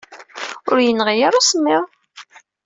Ur iyi-yenɣi ara usemmiḍ.